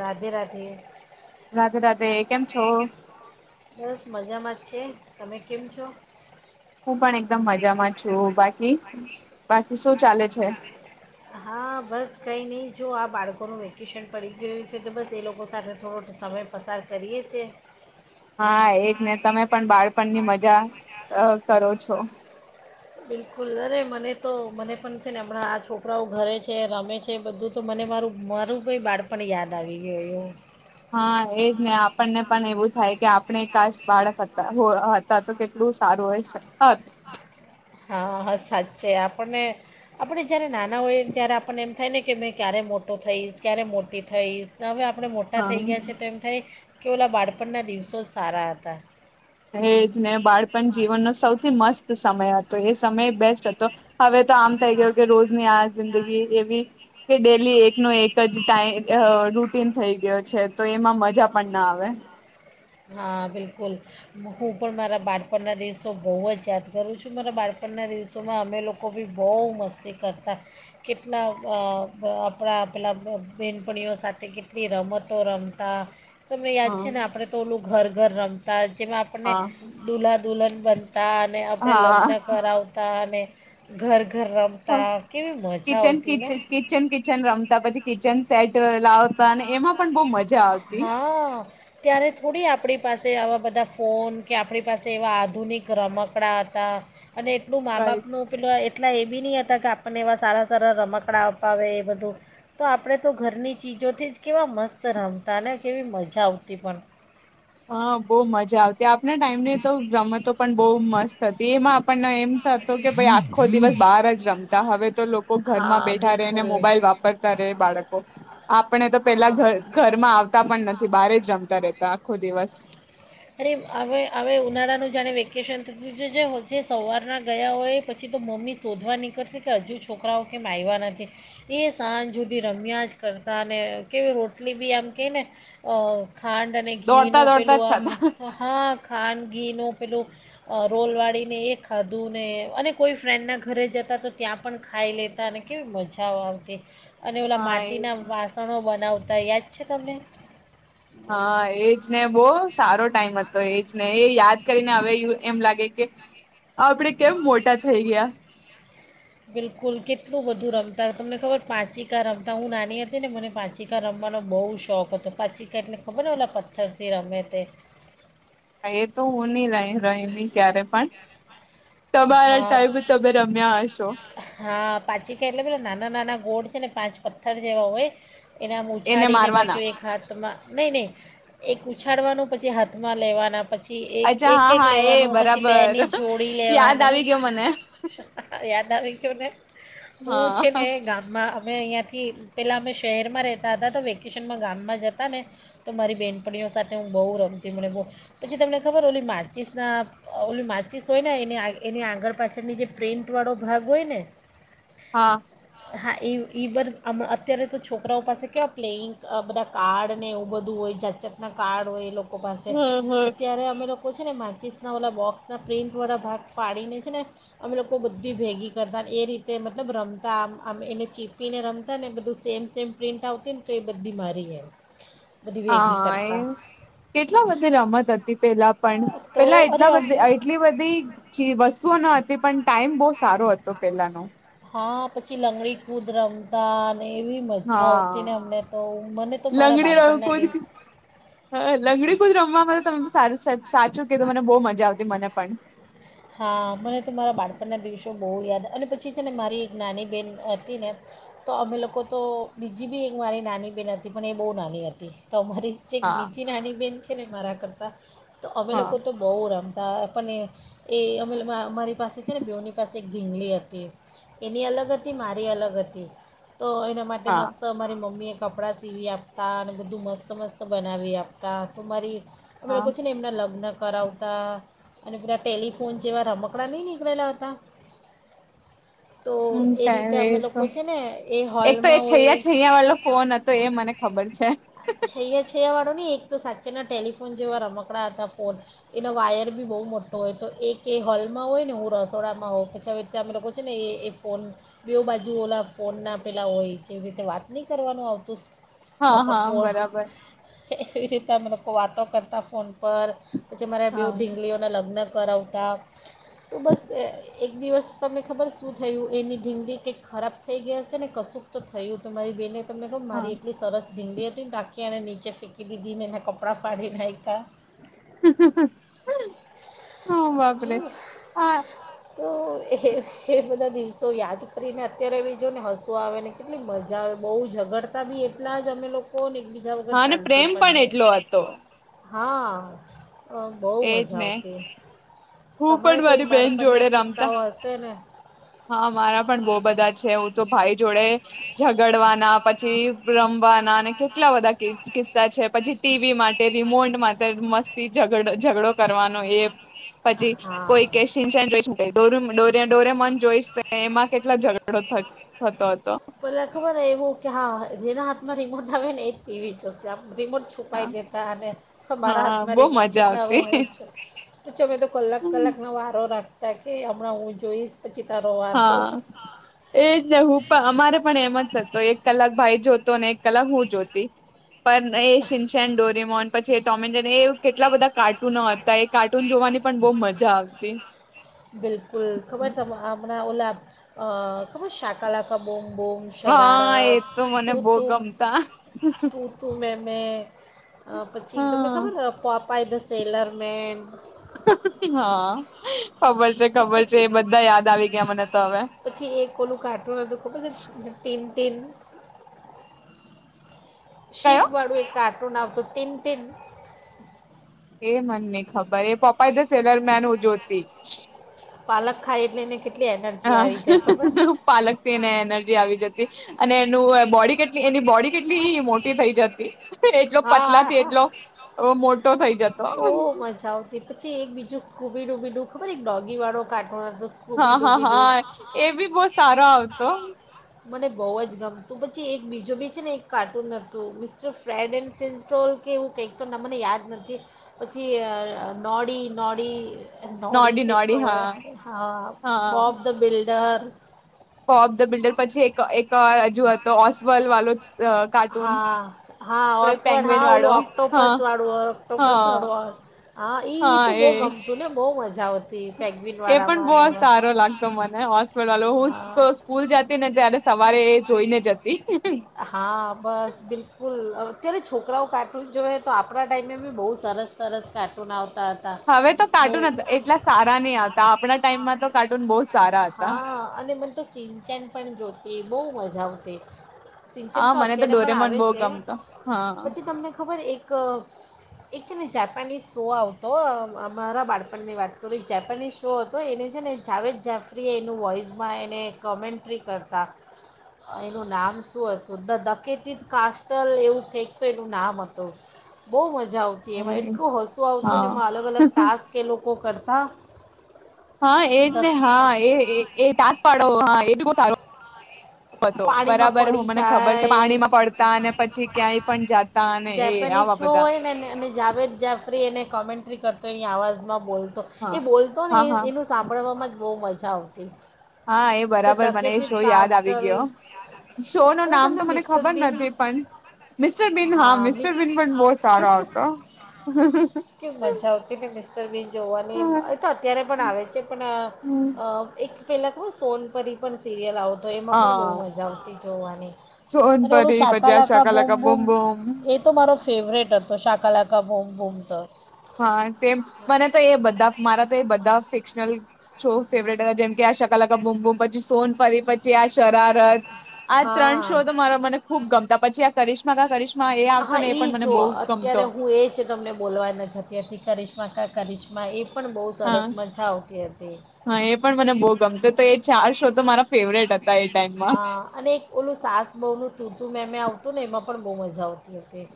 રાધે રાધે. રાધે રાધે કેમ છો? બસ મજામાં છે તમે કેમ છો? હું પણ એકદમ મજામાં છું બાકી બાકી શું ચાલે? છે? હા બસ કઈ નહી. જો આ બાળકોનું વેકેશન પડી ગયું છે તો બસ એ લોકો સાથે થોડો સમય પસાર કરીએ છીએ. હા એક ને તમે પણ બાળપણની મજા અ કરો છો. બિલકુલ અરે મને તો મને પણ છે ને હમણાં આ છોકરાઓ ઘરે છે રમે છે બધું તો મને મારું મારું ભઈ બાળપણ યાદ આવી ગયું એવું. હા એજ ને આપણને પણ એવું થાય કે આપણે કાસ બાળક હતા હતા તો કેટલું સારું હોય સકે. હા હા સાચે આપણને આપણે જ્યારે નાના ના હોય ત્યારે આપણને એમ થાય ને કે મેં ક્યારે મોટું થઈશ ક્યારે મોટી થઈશ ને હવે આપ ડે મોટા થઈ હા ગયા છે તો એમ થાય કે ઓલા બાળપણના દિવસો જ સારા હતા. એજ ને બાળપણ જીવનનો સૌથી મસ્ત સમય હતો એ સમય બેસ્ટ હતો હવે તો આમ થઈ ગયો કે રોજની આ જિંદગી એવી કે ડેલી એકનો એક જ ટાઈ અહ રૂટીન થઈ ગયો છે તો એમાં મજા પણ ના આવે. હા, બિલકુલ હું પણ મારા બાળપણના દિવસો બહુ જ યાદ કરું છું. મારા બાળપણના દિવસોમાં અમે લોકો બી બહુ મસ્તી કરતા કેટલા અહ અહ આપડા પેલા બહેનપણીઓ સાથે કેટલી રમતો રમતા. તમને યાદ હા છે ને આપડે ઘર ઘર રમતા જેમાં આપણને હા દુલ્હા દુલ્હન બનતા અને આપડે લગ્ન હા કરાવતા અને ઘર ઘર રમતા કેવી મજા આવતી ને? તા પછી કિચન સેટ લાવતા ને એમાં પણ બહુ મજા આવતી હા, ત્યારે થોડી આપડી પાસે આવા બધા ફોન કે આપદડી પાસે એવા આધુનિક રમકડા હતા અને એટલું મા રાઈટ બાપનું પેલો એ એટલા એ બી ની હતા કે આપણને એવા સારા સારા રમકડા અપાવે એ બધું. તો આપણે તો ઘરની ચીજોથી જ કેવા મસ્ સ રમતા ને કેવી મજા આવતી પણ. હા, બોવ મજા આવતી. આપના ટાઈમની તો રમતો પણ બોવ મસ્ત હતી. એમાં પણ એમ થતો કે ભઈ આખો દિવસ બાર જ રમતા હવે તો લોકો ઘરમાં હા બેઠા રેને બિલકુલ મોબાઈલ વાપરતા રે બાળકો. આપણે તો પેલા હા ઘ ઘરમાં આવતા પણ ન થી બારે જ રમતા રેતા. ખો દિવસ અરે હવે હવે ઉનાળાનું જાણે વેકેશન તો જ જે જે સવારના ગયા હોય પછી તો મમ્મી શોધવા નીકળતી કે હજુ છોકરાઓ કેમ આયવા નથી. એ સાંજ હૂધી રમ્યા જ કરતા અને કેવી રોટલી બી આમ કે ને અ ખાંડ અને દોડતા ઘીનું દોડતા પેલું જ આમ ખાતા અ હા, ખાંડ ધીનું. પેલું અ રોલવાળીને એ ખાધું ને અને કોઈ ફ્રેન્ડના ઘરે જતા તો ત્યાં પણ ખાઈ લેતા અને કેવી મજાઓ આવતી! અને ઓલા હા માટીના એજ વાસણો બનાવ તા, યાદ છે તમને? હા, એજ ને બોવ સારો ટાઈમ હતો એજ ને એ યાદ કરીને હવે યુ એમ લાગે કે આપડે કેમ મોટા થઈ ગયા? બિલકુલ કેટલું બધું રમતા. તમને ખબર પાંચિકા રમતા? હું નાની હતી ને મને પાંચિકા રમવાનો બહુ શોખ હતો. પાંચિકા એટલે ખબર ને ઓલા પથ્થરથી રમે તે. એ તો હું ની લાય રયમી ક્યારે પણ. હા. તમારા ટાઈમ તમે તમારા રમ્યા ટાઈમે હશો. તમે રમ્યા હશો હા, પાંચિકા એટલે બધા નાના નાના ગોળ છે ને પાંચ પથ્થર જે હો હોય. એને આમ એને ઉછાળીને મારવાના પાછું એક હાથ નહીં નહીં એક ઉછાળવાનું પછી હાથમાં લેવાના પછી અચ્છા હા એક-એક-એક હા એ લેવાનું પછી બે ની બરાબર જોડી યાદ આવી વાની. ગયો મને યાદ આવી ગયું મને. યાદ ના આવે [unintelligible] હું હા છે ને ગામમાં અમે અહીંયાથી પહેલાં અમે શહેરમાં રહેતા હતા તો વેકેશનમાં ગામમાં જતા ને તો મારી બેહેનપણીઓ સાથે હું બહુ રમતી. મને બહુ પછી તમને ખબર ઓલી માચીસ ના ઓલી માચીસ હોય ને એ એની આગળ પાછળની જે પ્રિન્ટ વાળો ભાગ હોય ને હા હા એ ઈ બર અત્યારે તો છોકરાઓ પાસે કેવા પ્લેઈંગ બધા કાર્ડ ને એવું બધું હોય, જાતજતના કાર્ડ હોય, એ લોકો કો પાસે. હમ તો હમ ત્યારે અમે લોકો ઉં છે ને માચીસ ના વોલા બોક્સના પ્રિન્ટ વાળા ભાગ ફાડીને છે ને અમે લોકો બધી ભેગી કરતાને એ રીતે મતલબ રમતા આમ આમ એને ચીપીને રમતા ને એને બધું સેમ સેમ પ્રિન્ટ આવતી ને તો એ બધી મારી એમ. બધી ભેગી હાએ કરતા કેટલા બધી રમત હતી પેલા. પણ તો પેલા અરે એટલા બધ અમને એટલી બધી ચી વસ સૂ ન હતી પણ ટાઈમ બહુ સારો હતો પેલાનો. હા પછી લંગડી કૂદ રમતા. ને એવી મજા આવતી ને અમને તો મને તો હા મારા લંગડી રમ બાળપણના કુદ દિવસ હા લંગડી કુદ રમવાવામાં તમે સારુ સચ સાચું કીદુ મને બહુ મજા આવતી મને પણ. હા મને તો મારા બાળપણના દિવસો બહુ યાદ અને પછી છે ને મારી એક નાની બહેન હતી ને તો અમે લોકો તો બીજી બી એક મારી નાની બહેન હતી પણ એ બહુ નાની હતી. તમારી જે ક હા બીજી નાની બેેન ને મારા કરતા તો અમે હા લોકો તો બો રમ હા આપને એ અ મારી પાસે છે ને બેઉની પાસે એક ઘીંગલી હતી એની અલગ હતી મારી અલગ હતી. તો એના માટે હા મસ્ત અમારી મમ્મીએ કપડાં સીવી આપતા અને બધું મસ્ત મસ્ત બનાવી આપતા તો મારી અમે હા લોકો છે ને એમના લગ્ન કરાવતા અને [inaudible] ટેલિફોન જેવા રમકડા ની નીકળેલા હતા. તો હમ એ રીતે અમે લોકો [unintelligible] છે ને એ તો એક તો એ હોલમાં હોય છેૈયા છૈયા વાળલો ફોન હતો એ મને ખબર છે. છૈયા છૈયા વાળો ઓ ની એક તો સાચેના ટેલિફોન જેવા રમકડા હતા ફોન એનો વાયર બી બહુ મોટો હોય તો એક એ હોલમાં હોય ને હું રસોડામાં હોઉ પછી રીતે અમે લોકો છો ને એ ફોન બેઓ બાજુ ઓલા ફોન ના પેલા હોય જેવી રીતે વાત ની કરવાનું આવતું હા હા. છોડ બરાબર એવી રીતે અમે લોકો વાતો કરતા ફોન પર પછી મારે બેવ હા ઢીંગલીઓના લગ્ન કરાવતા તો બસ એક દિવસ તમને ખબર શું થયું એની ઢીંગડી કંઈક ખરાબ થઈ ગયા હશે ને કશુંક તો થયું તું મારી બહેને તમને કવ હા મારી એટલી સરસ ઢીંગલી હ તી તેણે નીચે ફેંકી દીધી ને એના કપડાં ફાડી નાયખા. [inaudible] હ બાપરે હા તો એ એ બધા દિવસો યાદ કરીને અત્યારે વી જોની હસું આવે ને કેટલી મજા આવે બહુ ઝઘડતા બી એટલા જ અમે લોકોને હા, ને પ્રેમ પણ એટલો હતો. હા. અ બહુ એજ મજા ને આવતી હું તમારે પણ કઈ મારી બેન જોડે બાળપણના રમતા કિસ્સાઓ હશેને ને હા મારા પણ બો બધા છે હું તો ભાઈ જોડે ઝગડવાના પછી રમવાના અને કેટલા બધા કિસ્સા છે પછી ટીવી માટે રિમોટ માટે મસ્તી ઝગ ઝઘડો કરવાનું એ પછી કોઈ કે હા સીનચેન જોઇશુ. કોઈ ડોરે ડોરેમોન જોઈશ એમાં કેટલા ઝઘડો થતો હતો. પેલા ખબર એવો કે હા જેના હાતે ના રીમોટ આવે એ જ ટીવી જોસે રિમોટ છુપાવી દેતા અને મારા હા હાથમાં બહુ રિમોટ છે મજા એટલે હવે હું આવતી જ છુ. અમે કલાક કલાકનો વારો રાખ તવકે અમના હુ જોઇશ. હા એજ ને હું પણ અમારે પણ એમ જ થતો એક કલાક ભાઈ જોતો ને એક કલાક હું જોતી પણ એ શિનચેન ડોરેમોન પછી ટોમેનજેરી એ કેટલા બધા કાર્ટ ટુનો હતા એ કાર્ટૂન જોવાની પણ બો મજા આવતી બિલકુલ ખબર તમ હમણાં ઓલા અ ખબર શાકા લાકા બુમબુમ બુમ હા એ શરારત તો મને તું બહુ તું ગમતા [unintelligible] તું તું મે મેં અ પછી તમને હા ખબર પાપાય દસ ટેલરમેન હમમ. ગયા મને તો હવે પછી એક ઓલું કાર્ટૂન હતું ખબર છે ટન ટીન. શીપ કયો વાળુ કાર્ટુન આવતુ ટિનટિન. એ મનેને ખબર એ પપ્પા એ ધ સેલરમેન હુ જોતી પાલક ખાય એટલે એને કેટ હા પાલકથી એને એનર્જી આવી જતી. અને એનું બોડી કેટલી એની બોડી કેટલી મોટી થઈ જતી, એટલો હા પતલા હા થી હા એટલો એવો મોટો થઈ જતો. જો સ્કૂબી ડૂબી ડું ખબર એક ડોગી વાળો કાઢ હા હા હા એ ભી બહુ સારો આવ તો મને બહુ જ ગમતું પછી એક બીજું બી છે ને એક કાર્ટૂન હતું મિસ્ટર ફ્રેડ એન્ડ ફિસ્ટોલ કે એવું કંઈક તો નામ મને યાદ નથી પછી નોડી નોડી નોડી [unintelligible] તરે હા બોબ ધ બિલ્ડ. ઘર પોફ ધ બિલ્ડર પછી એક એક રજુ હતો ઓસબલ વાલો જ હા હા ઓસ્વોલ્ડ હા પેંગ્વેન વાળો ઓલું હા ઓક્ટોપસ વાળું હો ઓક્ટોપસ હા વાળું હો હા ઈ તું બહુ ગમતું ને બહુ જ મજા આવતી. એ પણ પેંગ્વિનવાળામાં બહુ ને એમાં સારો લાગતો મને હોસ્પિટલ હું હા તો સ્કૂલ જતી ને ત્યારે સવારે જોઈને જતી હા બસ બિલકુલ અત્યારે છોકરાઓ કાર્ટૂન જોએ તો આપણા ટાઈમે બી બહુ સરસ સરસ કાર્ટૂન આવત હવે તો કાર્ટૂન એટ એટલા સારા નહી આવતા આપણા ટાઈમમાં તો કાર્ટૂન બહુ સારા હતા હું તો શીન ચેન પણ જોતી બહુ મજા આવતી શીન ચેન હા તો મને અત્યારે પણ ડોરેમોન આવે બહુ છે ગમતો હા પછી તમને ખબર એક ગ એક એક છે ને જાપાનીઝ શો આવતો અમારા બાળપણની વાત કરું એક જાપાનીઝ શો હતો એને છે ને જાવેદ જાફરીએ એનું વોઇસમાં એને કોમેન્ટ્રી કરતા એનું નામ શું હત ધ ડાકેતિત કાસ્ટલ એવું કઇંક તો એનું નામ હતું બહુ મ જા આવતી એમાં એટલું હસું આવતું ને હા એમાં અલગ અલગ ટાસ્ક એ લોકો કર હા હા એજ ને હા એ એ તાસ પાડો હા એ ભી બહુ [unintelligible] હતો પાણીમાં બરાબર હું પડી મને ખબર છે જાય પાણીમાં પડતા અને પછી ક્યાંય પણ જાતા અને એ જેપેનિઝ આવા શો બધા હોય ન્ટ્રી કરતો કરતો એની આવાજમાં બોલતો હા એ બોલતો ને હા હા એનું સાંભળવા જ બહુ મ જા આવતી. હા એ ધ બરાબર મને એ ધકેટેડ શો યાદ આવી કાસ્ટલ ગ્યો. શો નું અને નામ તમને તો મને મિસ્ટર ખબર બીન નથી પણ મિસ્ટર બિન હા મિસ્ટર બન પણ બહુ સારો આવતો સ્ટર બિન જોવાની અહ તો અત્યારે પણ આવે છે અહ અહ એક પેહલા ખબર સોન પરી પણ સિરિયલ આવ તો એમાં પણ બહુ હા મજ [unintelligible] અને ઓલું સોનપરી પછી આ શાકાલાકા બૂમ બુમ બૂમ બુમ એ તો મારો ફેવરેટ હતો શાકાલાકા બૂમ બૂમ તો હા, સેમ મને તો એ બધા મારા તો એ બધા ફિક્શનલ શો ફેવરેટ હતા જેમ કે આ શકાલકા બુમબુમ પછી સોનપરી પછી આ શરારત આ ત્રણ હા શો તો મારા મને ખુબ ગમતા. પછી આ કરીશ્મા કા કરિશ હા, ઈ જો અત્યારે હું એ જ તમને બોલવા ન જ જેથી કરિશ્મા કા કરિશ્મા એ પણ બહુ હા સરસ મજા આવતી હતી હા એ પણ મને બહુ ગમતું તો એ ચાર શો તો મારા ફેવરેટ હ હા અને એક ઓલું સાસ બહુ નું તુંતું મેમે આવતું ને એમાં પણ બઉ મજા આ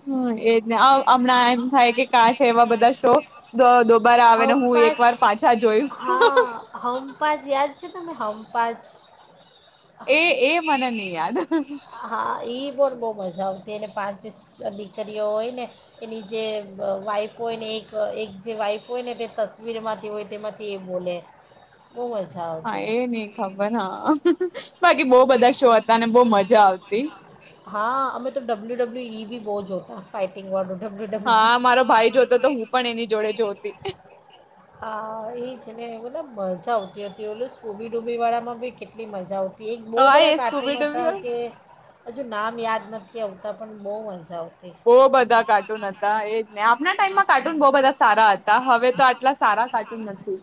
હા એજ હમણાં એમ થાય કે કાસ એવા બધા શો દો-દોબારા આવે ને હમ હું એક પાંચ વાર પાછા જોયું. ને હમ પાંચ એ એ મને નહી યાદ. હા ઈ બોલ બહુ મજા આવતી અને પાંચ દીકરીઓ હોય ને એની જે વાઈફ હોય ને એક એક જે વાઈફ હોય ને તે તસવીરમાંથી હોય તેમાંથી એ બોલે બહુ મજા હા આવતી એ નહિ ખબર હા. બાકી બહુ બધા શો હતા અને બહુ મજા આવતી. હા અમે તો ડબ્લ્યુ ડબ્લ્યુ ઈ ભી બહુ જોતા ફાઇટિંગ વાડું. ડબલ્યુ ડબલ્યુ ઇ, હા મારો ભાઈ જોતો તો હું પણ એની જોડે જોતી હા એજ ને ઓલા મજા આવતી હતી ઓલું સ્કૂબી ડૂબીવાળામાં બી કેટલી મજા આવ તી. એક બહુ હા બધા એ કાર્ટૂન સ્કૂબી ડૂબી હતા કે હજુ નામ યાદ નથ આવતા પણ બહુ મજા આવ બઉ બધા કાર્ટૂન હતા એજ ને. આ હવે તો આટલા સારા કાર્ટૂન નથી.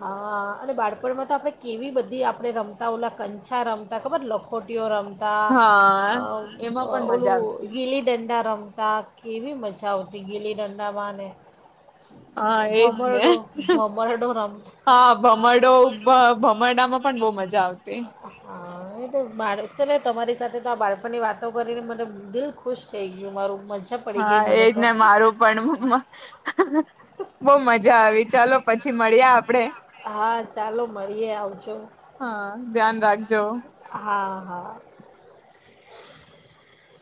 હા અને બાળપણમાં તો આપડે કેવી બધી આપડે રમતા ઓલા કંછા રમતા ખબર લખોટીઓ રમ તા અ હા એમાં અ પણ ઓલું મજા આવતી ગીલી દંડા રમ તા કેવી મજા આવતી ગીલી દંડામાં ને. હા એજ ને. ભમરડો ભમરડો રમતા હા ભમડો ભમડામાં પણ બઉ મજા આવતી. હા. હા એ તો બાળ તો ને તમારી સાથે તો આ બાળપણની વાતો કરીને મને દિલ ખુશ થઈ ગયું મારું મજ હા એજ ને મારું પણ, બઊ મજા આવી છ. ચાલો પછી મળીયે આપડે. હા ચાલો મળીએ આવજો. હા ધ્યાન રાખજો. હા હા.